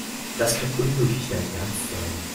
Das kann unmöglich dein Ernst sein.